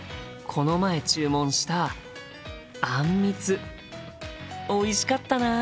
この前注文したあんみつおいしかったな。